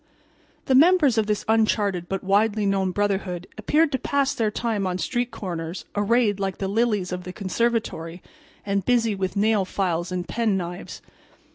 The members of this unchartered but widely known brotherhood appeared to pass their time on street corners arrayed like the lilies of the conservatory and busy with nail files and penknives.